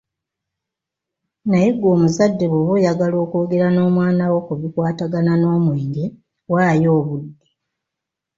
Naye ggwe omuzadde bwoba oyagala okwogera n’omwana wo ku bikwatagana n’omwenge, waayo obudde.